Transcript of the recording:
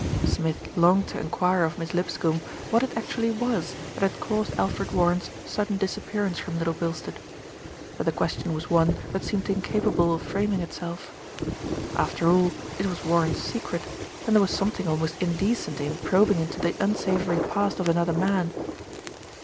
Smith longed to enquire of Miss Lipscombe what it actually was that had caused Alfred Warren's sudden disappearance from Little Bilstead; but the question was one that seemed incapable of framing itself. After all, it was Warren's secret, and there was something almost indecent in probing into the unsavoury past of another man.